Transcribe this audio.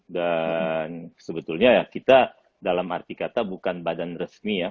dan sebetulnya ya kita dalam arti kata bukan badan resmi ya